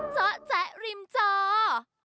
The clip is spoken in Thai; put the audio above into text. เจาะแจ๊ะริมจอ